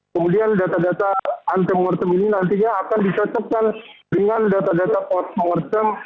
kemudian data data antemortem ini nantinya akan dicocokkan dengan data data mortem